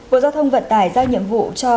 bộ giao thông vận tải giao nhiệm vụ cho